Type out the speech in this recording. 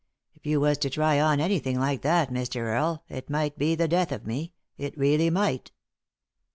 If you was to try on anything like that, Mr. Earle, it might be the death of me, it really might."